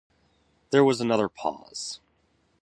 There was another pause.